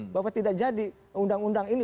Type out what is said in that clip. bahwa tidak jadi undang undang ini